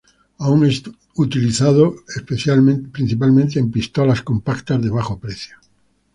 Aún es utilizado, principalmente, en pistolas compactas, de bajo precio.